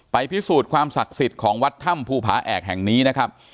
พิสูจน์ความศักดิ์สิทธิ์ของวัดถ้ำภูผาแอกแห่งนี้นะครับ